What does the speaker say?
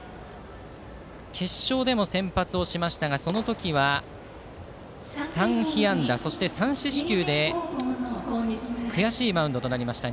決勝でも先発をしましたがその時は３被安打、３四死球で悔しいマウンドとなりました。